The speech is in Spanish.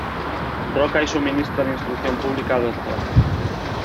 Roca y su ministro de Instrucción Pública, Dr.